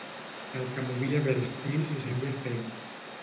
El que movia bé els fils i sabia fer-ho